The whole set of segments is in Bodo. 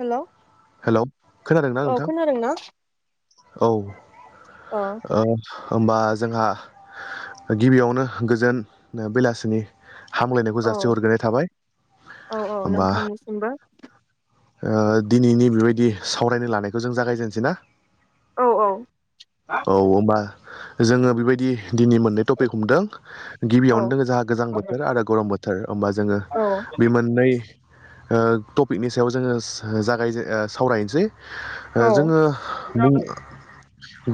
हेलौ हेलौ खोनादोंना औ नोंथां? खोनादों ना औ अ आ होमबा जोंहा गिबियावनो गोजोन बेलासिनि हामलायनायखौ औ जासि हरग्रोनाय थाबाय औ औ होमबा नोंथांनिसिमबो ओ दिनैनि बेबायदि सावरायनो लानायखौ जों जागायजेनसै ना? औ औ औ होमबा जोंङो बेबायदि। दिनै मोननै टपिक हमदों गिबियावनो औ दङो जोंहा गोजां औ बोथोर आरो गरम बोथोर। होमबा जोंङो औ बे मोननै ओ टपिकनि सायाव जोंङो हो दाय ओ सावरायनोसै ओ औ जोंङो बुं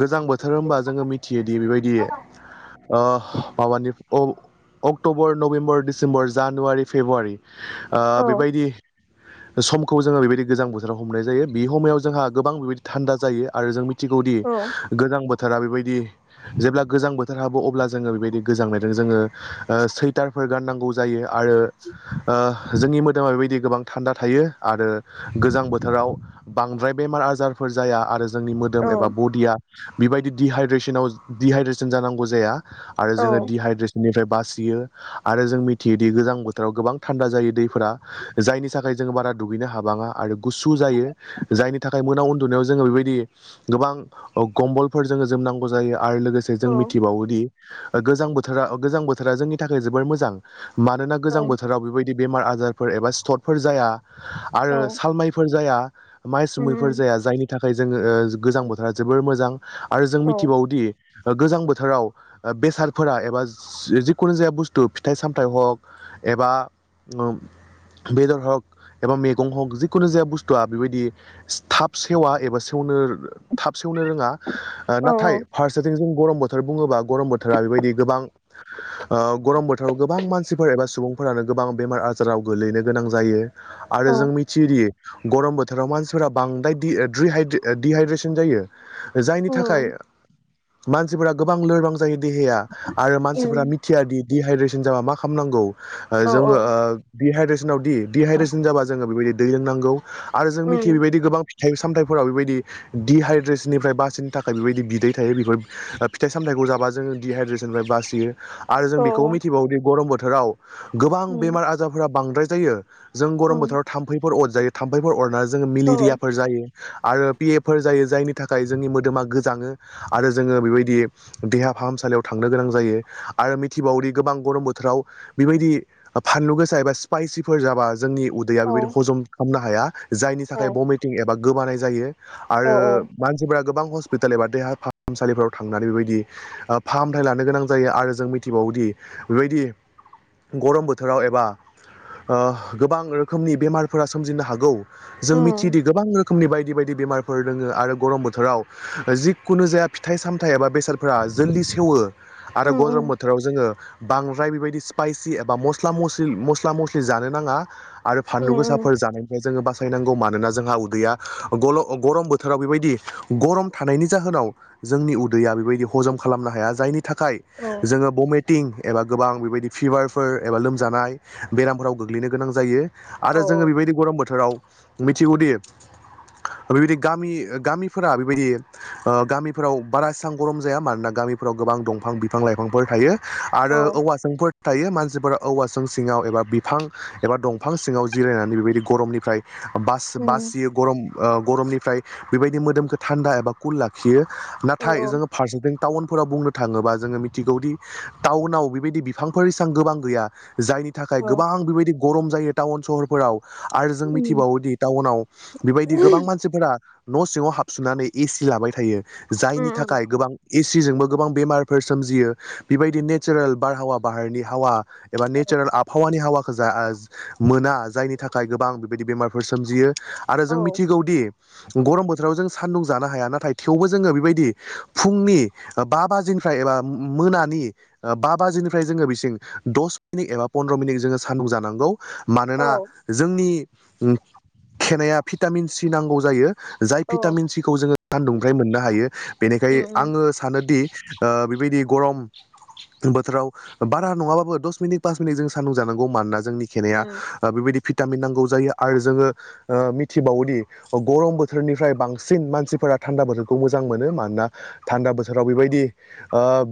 गोजां बोथोर होनोमबा जोंङो मिथियोदि बेबायदि ओ माबानि। अक October November December January February ओ औ बेबायदि। समखौ जोङोओ बेयदि गोजां बो। राव हनाय जायो बे हमाय समाव जोंहा गोबां बेबायदि थान्दा जायो आरो जों मिथिदि गोजां बो बोथोरा बेबायदि जेब्ला गोजां बोथोर हाबो अब्ला जोंङो बेबायदि गोजांनायदों जोंङो ओ सैथारफोर। गानांगौ जायो आरो ओ जोंनि मोदोमा बेबादि गोबां थानदा थायो आरो गोजां बोथोर। बोथोराव बांद्राय बेमार आजारफोर जाया आरो जोंनि मोदोम एबा बडिया। बिबायदि दिहाइद्रेसनाव दिहाइद्रेसन जानांगौ जाया आरो जोंङो दिहाइद्रेसन निफ्राय बासियो आरो जों मिथियोदि गोजां बोथोराव गोबां थान्दा जायो दैफोरा। जायनि थाखाय जों बारा दुगैनो हाबाङा आरो गुसु जायो जायनि थाखाय मोनायाव उन्दुनायाव जोंङो बेबायदि गोबां ओ कम्बलफोर जोङो जोमनांगौ जायो। आरो लोगोसे जों औ मिथिबावोदि ओ गोजां बोथोरा ओ गोजां बोथोरा जोंनि थाखाय जोबोर मोजां। मानोना औ गोजां बोथोराव बेबायदि बेमार आजारफोर एबा स्थरफोर जाया आरो सालमाइ जाया उम माइसुमैफोर उम जाया जायनि थाखाय जोंङो ओ गोजां बोथोरा जोबोर मोजां। आरो जों औ मिथिबावोदि। ओ गोजां बोथोराव ओ बेसादफोरा एबा जिखुनु जाया बुस्थु फिथाइ सामथाइ ह एबा ओम बेदर हक एबा मैगं हक जि। खुनु जाया बुस्थुआ बेबायदि थाब सेवा एबा सेवनो थाब सेवनो रोङा। ओ नाथाय औ फारसेथिं जों। गरम बोथोर बुङोबा गरम बोथोरा ओरैबायदि गोबां ओ गरम बोथोराव गोबां मानसिफोर एबा सुबुं फोरानो गोबां बेमार आजाराव गोग्लैनो गोनां जायो आरो औ जों मि तिदि गरम बोथोराव मानसिफोरा बांद्राय दिडहाइद्रेसन जायो। जायनि थाखाय उम मानसिफोरा गोबां लोरबां जायो देहहााया आरो मानसिफोरा उम मिथियाद दिडहाइद्रेसन जाबा मा खालामनांगौ। ओ औ जोंङो ओ डिहाइद्रेसनाव दि डहाइद्रेसन जाबा जोंङो बेबायदि दै लोंनांगौ। आरो जों मिथियो उम बेबायदि गोबां फि फिथाइ सामथाइफोराव बेबायदि दिडहाइद्रेसननिफ्राय बासिनो थाखाय बेबायदि बिदै थायो बिफोर ओ फिथाइ सामथाय बुजाबा जोंङो दिहाइद्रेसननिफ्रय बासियो। आरो जों औ बिखौ मिथिबावोदि गरम बोथोराव गोबां उम बेमार आजारफोरा बांद्राय जायो। जों गरम उम बोथोराव थाम्फैफोर अर जायो थाम्फैफोर अरनानै जों जों औ मिलिरियाफोर जायो आरो पिएफोर जायो जायनि थाखाय जोंनि मोदोमा गोजाङो आरो जोंङो बेबायदि देहा फाहामसालियाव थांनो गोनां जायो। आरो मिथिबावोदि गोबां गरम बोथोराव बेबायदि फानलु गोसा एबा स्पाइसिफोर जाबा। जोंनि उदैया औ बेबायदि हजम खालामनो हाया जायनि थाखाय औ भमिटिं एबा गोबानाय जायो। आरो औ मानसिफोरा। गोबां हस्पिटाल एबा देहा फाहामसालिफोराव थांनानै बेबायदि फाहामथाय लानो गोनां जायो आरो जों मिथिबावो गुदि बेबायदि। गरम बोथोराव एबा ओ गोबां रोखोमनि बेमार फोरा सोमजिनो हागौ जों उम मिथिदि गोबां रो रोखोमनि बायदि बायदि बेमारफोर दोङो आरो गरम बोथोराव ओ जिखुनु जाया फिथाइ सामथायाइ एबा बेसादफोरा जोलदि सेवो आरो उम गरम उम बोथोराव जोङो बांद्राय बेबायदि स्पायसि एबा मस्ला मस्लि मस्ला मस्लि जानो नाङा आरो उम फानलु गोसा उम जानायनिफ्राय जोङो बासायनांगौ मानोना जोंहा उदैया गरम बोथोराव बेबायदि गरम थानाय नि जाहोनाव जोंनि उदैया बेबायदि हजम खालामनो हाया जायनि थाखाय औ जोङो बमे टिं एबा गोबां बेबायदि फिभारफोर एबा लोमजानाय बेरामफोराव गोग्लैनो गोनां जायो। औ आरो जोङो बेबायदि गरम बोथोराव मिथिगौदि बेबायदि गामि गामिफोरा बेबायदि ओ गामिफोराव बारा गरम जाया मानोना गामिफोराव गोबां दंफां बिफां लाइफांफोर थायो। आरो औ औवासुंफोर थायो मानसिफोरा औवा सिङाव एबा बिफां एबा दंफां सिङाव जिरायनानै बेबायदि गरमनिफ्राय उम बासियो गरम गरमनिफ्राय बेबायदि मोदोमखौ थान्दा एबा कुल लाखियो औ नाथाय जोङो फारसेथिं टाउनफोराव बुंनो थाङोबा जोङो मिथिगौदि टाउनाव बेबायदि बिफांफोर एसेबां गोबां गैया जायनि थाखाय औ गोबां बेबायदि गरम जायो टाउन सहरफोराव आरो जों उम मिथिबावोदि टाउनाव बेबायदि गोबां मानसिफोरा न' सिङाव हाबसोननानै एसि लाबाय थायो जायनि उम उम थाखाय गोबां एसिजोंबो गोबां बेमारफोर सोमजियो बेबायदि नेचारेल बारहावा बाहेरनि हावा एबा नेचारेल आबहावानि हावाखौ मोना जायनि थाखाय गोबां बेबायदि बेमारफोर सोमजियो आरो जों मिथिगौदि गरम बोथोराव जों सान्दुं जानो हाया नाथाय थेवबो जोङो बेबायदि फुंनि बा बाजिनि फ्राय एबा मोनानि ओ बा बाजिनिफ्राय जोङो बिसिं दस मिनिट एबा पन्द्र मिनिट जो स [unintelligible] जानांगौ औ मानोना जोंनि खनाया भिटामिन सि नांगौ जायो जाय औ भिटामिन सिखौ जोङो सानदुंनिफ्राय मोननो हायो बेनिखायनो उम आङो सानोदि ओ बेबायदि गरम बोथोराव बारा नङाबाबो दस मिनिट पास मिनिट जों सान्दुं जानांगौ मानोना जोंनि खेनाया उम बेबायदि भिटामिन नांगौ जायो आरो जोङो ओ मिथिबावोदि गरम बोथोरनिफ्राय बांसिन मानसिफोरा थान्दा बोथोरखौ मोजां मोनो मानोना थान्दा बोथोराव बेबायदि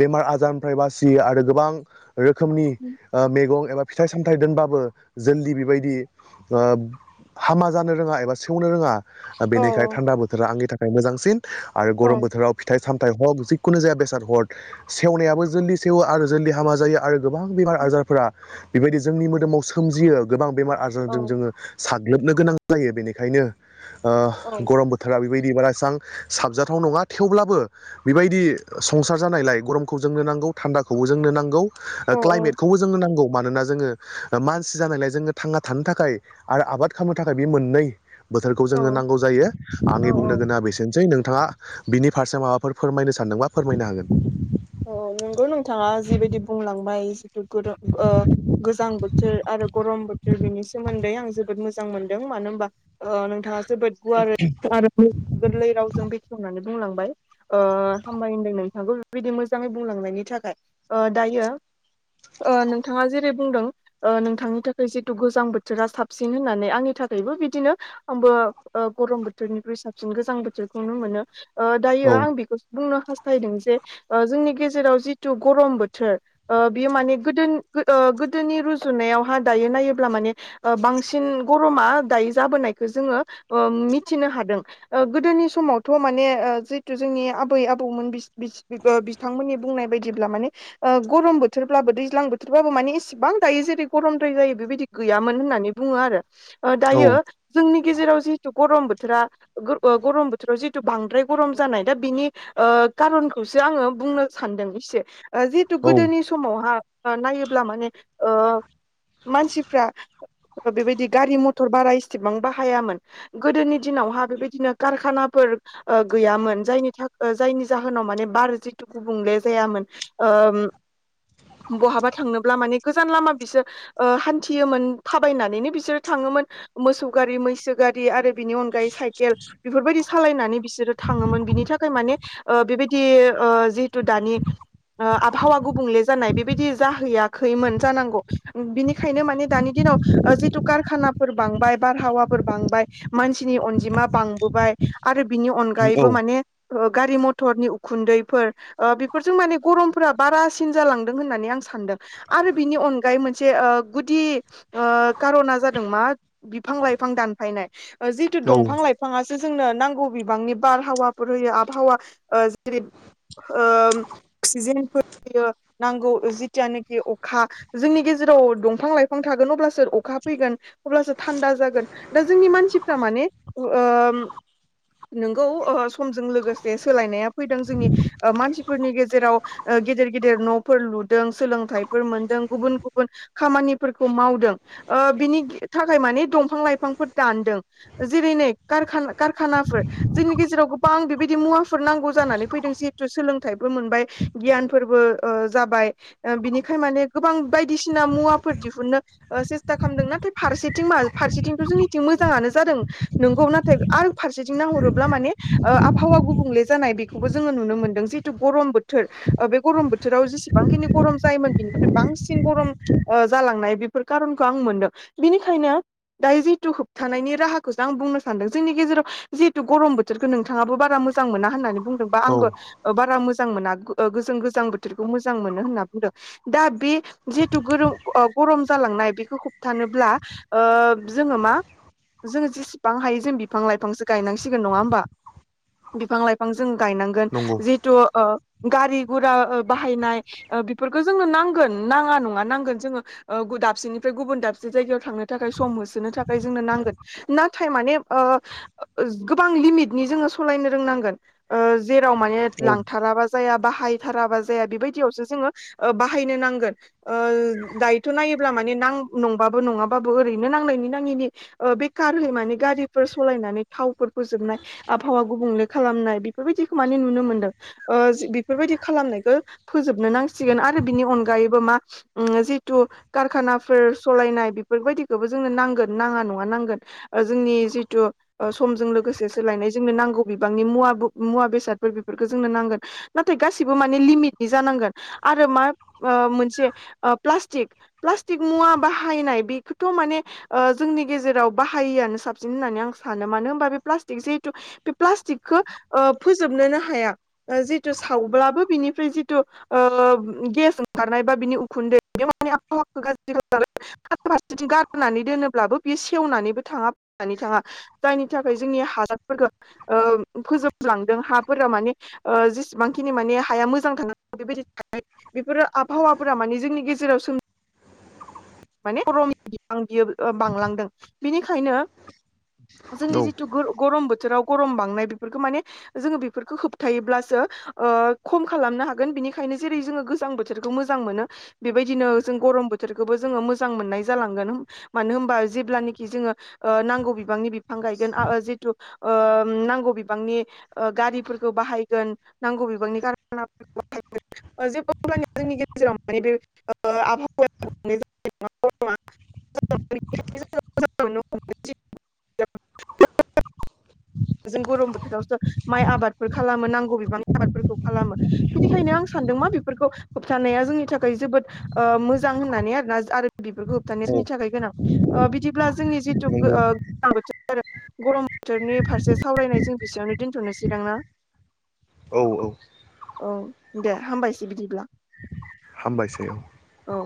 बेमार आजारनिफ्राय बासियो आरो गोबां रोखोमनि उम ओ मैगं एबा फिथाइ सामथाय दोनबाबो जलदि बेबायदि ओ हामा जानो रोङा एबा सेवनो रोङा [unintelligible] औ बेनिखायनो थान्दा बोथोरा आंनि थाखाय मोजांसिन आरो औ गरम बोथोराव फिथाइ साम थाय हक जिखुनु जाया बेसाद हर सेवनायाबो थाब सेवो आरो जै गाज्रि जायो आरो गोबां बेमार आजारफोरा बेबायदि जोंनि मोदोमाव सोमजियो गोबां बेमार औ आजारजों जोङो लोबनो गोनां जायो बेनिखायनो ओ औ गरम बोथोरा बेबाय बां साबजाथाव नङा थेवब्लाबो बेबायदि संसार जानायलाय गरमखौ जोंनो नांगौ थानदाखौबो जोंनो नांगौ ओ ख्लाइतमेद औ खौबो जोंनो नांगौ मानोना जोङो ओ [unintelligible] जानायलाय जोङो थांना थानो थाखाय आरो आबाद खालामनो थाखाय बे मोननै बोथोरखौ जोंनो नांगौ जायो आंनि औ बुंनो औ गोनाङा बेसेनोसै नों नोंथाङा बिनि फारसे माबाफोर फोरमायनो सानदोंबा फोरमायनो हागोन औ नोंगौ नोंथाङा जिबायदि बुंलांबाय जिथु ओ गोजां बोथोर आरो गरम बोथ बेनि सोमोन्दै आं जोबोद मोजां मोनदों मानो होनबा ओ नोंथाङा जोबोद गुवार गोरलै रावजों बेखेवनानै बुंलांबाय ओ हामबाय होनदों नोंथांखौ बेबायदि मोजां मोजाङै बुंलांनायनि थाखाय ओ दायो ओ नोंथाङा जेरै बुंदों ओ नोंथांनि थाखाय जिहेथु गोजां बोथोरा साबसिन होननानै आंनि थाख थाखायबो बिदिनो आंबो गरम बोथोरनिख्रुइ साबसिन गोजां बोथोरखौ ननो मोनो ओ दायो औ आं बेखौसो बुंनो हास्थायदों जे ओ जोंनि गेजेराव जिथु गरम बोथोर ओ बियो माने ओ गोदोनि रुजुनाय दायो नायोब्ला माने बांसिन गरमा दायो जाबोनायखौ जों मिथिनो हादों गोदोनि समावथ' माने जिहेतु जोंनि आबै - आबौमोन बिथांमोननि बुंनाय बायदिब्ला माने गरम बोथोरब्लाबो दैज्लां बोथोरबाबो माने एसेबां दायो जेरै गरमद्राय जायो बेबायदि गैयामोन होननानै बुङो आरो औ दानि जोंनि गाव जि गरम बथोरा गरम बोथोराव जि बांद्राय गरम जानाया बिनि खारन खौसो आङो बुंनो सानदों एसे जिहेतु औ गोदोनि समावहा नायोब्ला माने मानसिफ्रा बेबायदि गारि - मथर बारा इसेबां बाहायामोन गोदोनि दिनावहा बेबायदिनो कारखानाफोर गैयामोन जायनि जाहोनाव माने बार जिथु गुबुंले जायामोन ओ बहाबा थांनोब्ला माने गोजान लामा बिसोर हान्थियोमोन थाबायनानैनो बिसोरो था ङोमोन मोसौ गारि मैसो गारि आरो बेनि अन गायै साइकेल बेफोरबायदि सालायनानै बिसोरो थाङोमोन बिनि थाखाय माने बेबाय दि ओ जिहेतु दानि आबहावा गुबुंले जानाय बेबायदि जाहैयाखैमोन जानांगौ बेनि खायनो माने दानि दिनाव जिथु कारखानाफोर बांबाय बारहावाफोर बांबाय मानसिनि अनजिमा बांबोबाय आरो बिनि औ अनगायैबो माने गारि - मथरनि उखुन्दैफोर ओ बेफोरजों माने गरमफोरा बारासिन जालांदों होननानै आं सानदों आरो बिनि अनगायै मोनसे गुदि कार'ना जादों मा बिफां-लाइफां दानफायनाय जिथु औ दंफां -लाइफाङा जोंनो नांगौ बिबांनि बारहावाफोर होयो आबहावा जेरै ओ अक्सिजेनफोर होयो नांगौ जिथियानोखि अखा जोंनि गेजे राव दंफां- लाइफां थागोन अब्लासो अखा फैगोन अब्लासो थान्दा जागोन दा जोंनि मानसिफ्रा माने ओ नोंगौ ओ समजों लोगोसे सोलायनाया फैदों जोंनि मानसिफोरनि गेजेराव गेदेर- गिदेर न'फोर लुदों सोलोंथाइफोर मोनदों गुबुन गुबुन खामानिफोरखौ मावदों बिनि ओ थाखाय माने दंफां-लाइफांफोर दान दों जेरै नै कारखाना कारखानाफोर जोंनि गेजेराव गोबां बेबायदि मुवाफोर नांगौ जानानै फैदों जिहेथु सोलोंथाइबो मोनबाय गियानफोरबो जाबाय बिनिखाय माने गोबां बायदिसिना मुवाफोर दिहुननो सेस्था खालामदों नाथाय फारसेथिं मा फारसेथिंथ' जोंनिथिं मोजाङानो जादों नोंगौ नाथाय आरो फारसेथिं नाहरोब्ला माने आबहावा गुबुंले जानाय बेखौ बो जोङो नुनो मोनदों जिहेतु गरम बोथोर बे गरम बोथोराव जेसेबांखिनि गरम जायोमोन बिनिफ्राय बां सिन गरम जालांनाय बेफोर कारनखौ आं मोनदों बिनिखायनो दायो जिथु होबथानायनि राहाखौसो आं बुंनो सानदों जोंनि गेजेराव जिहेतु गरम बोथोरखौ नोंथाङाबो बारा मोजां मोना होननानै बुंदों बा औ आंबो बारा मो जां मोना गो जों गोजां बोथोरखौ मोजां मोनो होनना बुंदों दा बे जिहेथु गोरों ओ गरम जालांनाय बेखौ होबथानोब्ला ओ जोङो मा जोङो जेसेबां हायो जों बिफां- लाइफांसो गायनांसिगोन नङा होमबा बिफां - लाइफां जों गायनांगोन नंगौ जिहेतु ओ गारि गुरा बाहायनाय बेफोरखौ जोंनो नांगोन नाङा नङा नांगोन जोङो ओ दाबसेनिफ्राय गुबुन दाबसे जायगायाव थांनो थाखाय सम होसोनो थाखाय जोंनो नांगोन नाथाय माने ओ गोबां लिमिटनि जोङो सलायनो रोंनांगोन ओ जेराव माने औ लांथाराबा जाया बाहायथाराबा जाया बेबायदियावसो जोङो बाहायनो नां गोन ओ दायोथ' नायोब्ला माने नां नंबाबो नङाबाबो ओरैनो नांनायनि नाङिनि बेखारहैमाने गारिफोर सलायनानै थावफोर फोजोबनाय आबहावा गुबुंले खालामनाय बेफोरबायदिखौ माने नुनो मोनदों ओ बेफोरबायदि खालामनायखौ फोजोबनो नांसिगोन आरो बिनि अनगा यैबो मा जिथु कारखानाफोर सलायनाय बेफोरबायदिखौबो जोंनो नांगोन नाङा नङा नांगोन जोंनि जिथु समजों लोगोसे सोलायनाय जोंनो नांगौ बिबांनि मुवा मुवा बेसादफोर बेफोरखौ जोंनो नांगोन नाथाय गासिबो माने लिमिटनि जानांगोन आरो मा ओ मोनसे प्लाष्टिक, प्लाष्टिक मुवा बाहायनाय बेखौथ' माने ओ जोंनि गे जेराव बाहायैयानो साबसिन होननानै आं सानो। मानो होनबा बे जिहेतु बे प्लाष्टिकखौ ओ फोजोबनोनो हाया जितु सावब्लाबो बिनिफ्राय जिथु ओ गेस ओं खारनाय बा बिनि उखुन्दै बे माने आबहावाखौ गाज्रि खालामो आरो फारसेथिं गारनानै दोनोब्लाबो बि सेवनानैबो थाङा जोबनानैबो थाङा जायनि थाखाय जोंनि हासारफोरखौ ओ फोजोब लांदों। हाफोरा माने जेसेबांखिनि माने हाया मोजां थानांगौ बेबायदि थानाय बेफोरो आबहावाफोरा माने जोंनि गेजेराव सोम माने गरमनि बिफां बियो बांलांदों। बिनिखायनो जोंनि औ जिथु गरम बोथोर बोथोराव गरम बांनाय बेफोरखौ माने जोङो बेफोरखौ होबथायब्लासो खम खालामनो हागोन बेनिखायनो जेरै जो गोजां बोथोरखौ मोजां मोनो बेबायदिनो जों गरम बोथोरखौबो जोङो मोजां मोन्नाय जालांगोन मानो होमबा जेब्लानिकि जोङो ओ नांगौ बिबांनि बिफां गायगोन ओ जेथु ओ नांगौ बिबांनि ओ गारिफोरखौ बाहायगोन नागौर बिबांनि जेबो जोंनि गेजेराव माने बेओ आबहावाया [unintelligible] [unintelligible] जों गरम बोथोरावसो माइ आबादफोर खालामो नांगौ बिबांनि आबादफोरखौ खालामो बिनिखायनो आं सानदों मा बेफोरखौ होब्थानाया जोंनि थाखाय जोबोद मोजां होननानै बे आरो ना आरो बेफोरखौ औ होबथनि थाखाय गोनां बिदिब्ला जोंनि जेथु नंगौ गरम बोथोरनि फारसे सावरायनाय जों बिसेयावनो दोन्थ'नोसैदांना? औ औ औ दे हामबायसै बिदिब्ला। हामबायसै औ औ